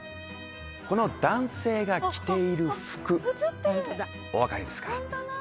この男性が着ている服お分かりですか？